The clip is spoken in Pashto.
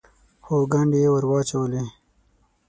خو ګنډې یې ور اچولې.